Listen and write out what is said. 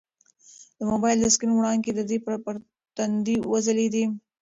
د موبایل د سکرین وړانګې د ده پر تندي وځلېدې.